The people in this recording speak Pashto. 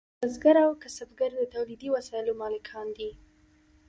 بزګر او کسبګر د تولیدي وسایلو مالکان دي.